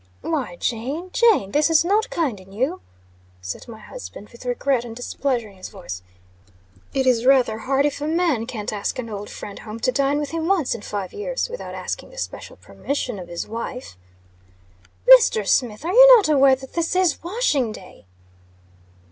"Why, Jane! Jane! This is not kind in you," said my husband, with regret and displeasure in his voice. "It is rather hard if a man can't ask an old friend home to dine with him once in five years, without asking the special permission of his wife." "Mr. Smith! Are you not aware that this is washing day?"